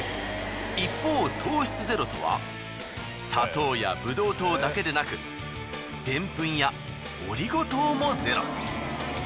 一方糖質ゼロとは砂糖やブドウ糖だけでなくでんぷんやオリゴ糖もゼロ。